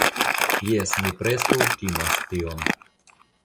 Jes, mi preskaŭ timas tion.